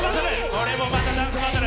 これもまたダンスバトル。